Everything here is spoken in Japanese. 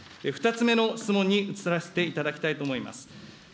２つ目の質問に移らせていただきたいと思います。